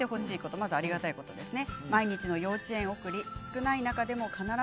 まずありがたいことですね。